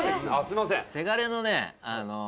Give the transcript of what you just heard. すいません。